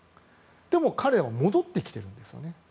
でも彼は戻ってきてるんですね。